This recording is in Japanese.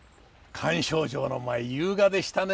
菅丞相の舞優雅でしたね。